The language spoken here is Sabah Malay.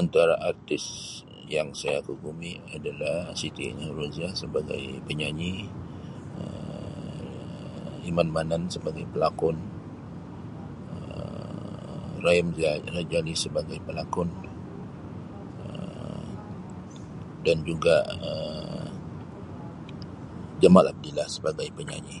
Antara artis yang saya kagumi adalah Siti Nurhalizah sebagai penyanyi Um Eman Manan sebagai pelakon Um Rahim Ra- Rajali sebagai pelakon[Um] dan juga Um Jamal Abdillah sebagai penyanyi.